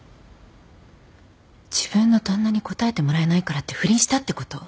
自分の旦那に応えてもらえないからって不倫したってこと？